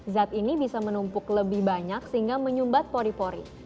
zat ini bisa menumpuk lebih banyak sehingga menyumbat pori pori